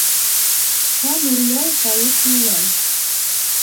Хан урлай, халыҡ юллай.